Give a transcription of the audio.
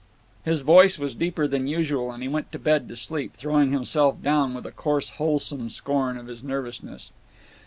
His voice was deeper than usual, and he went to bed to sleep, throwing himself down with a coarse wholesome scorn of his nervousness.